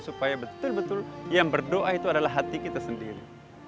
supaya betul betul yang berdoa itu adalah hati kita sendiri